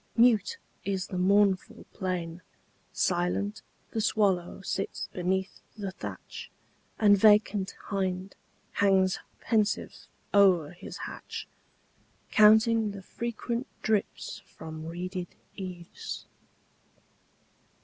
Mute is the mournful plain; Silent the swallow sits beneath the thatch, And vacant hind hangs pensive o'er his hatch, Counting the frequent drips from reeded eaves.